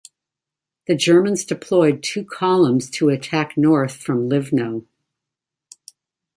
The Germans deployed two columns to attack north from Livno.